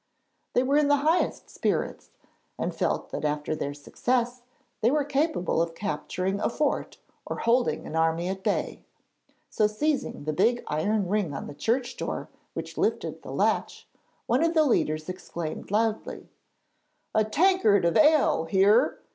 They were in the highest spirits and felt that after their success they were capable of capturing a fort or holding an army at bay. So seizing the big iron ring on the church door which lifted the latch, one of the leaders exclaimed loudly: 'A tankard of ale here!'